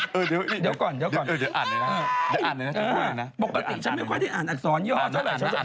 เดี๋ยวอ่านหน่อยนะปกติชั้นไม่ค่อยอ่านอักษรย่อสแต่ล่ะ